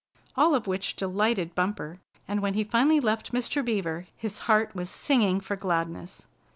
All of which delighted Bumper, and when he finally left Mr. Beaver his heart was singing for gladness.